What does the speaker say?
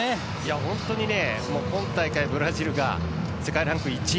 本当にね今大会、ブラジルが世界ランク１位